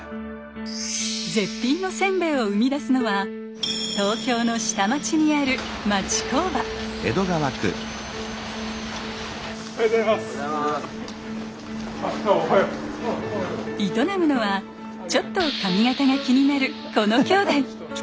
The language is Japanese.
絶品のせんべいを生み出すのは東京の下町にある営むのはちょっと髪形が気になるこの兄弟。